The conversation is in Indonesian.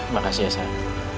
makasih ya sayang